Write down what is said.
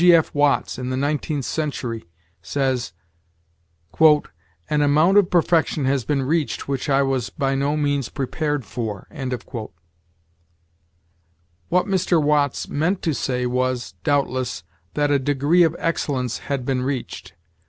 G. F. Watts, in the "Nineteenth Century," says, "An amount of perfection has been reached which I was by no means prepared for." What Mr. Watts meant to say was, doubtless, that a degree of excellence had been reached.